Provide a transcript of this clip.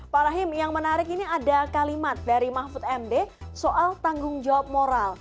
pak rahim yang menarik ini ada kalimat dari mahfud md soal tanggung jawab moral